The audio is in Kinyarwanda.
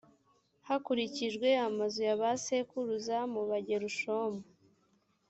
hakurikijwe amazu ya ba sekuruza mu bagerushomu